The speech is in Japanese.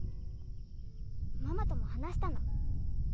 ママとも話したの。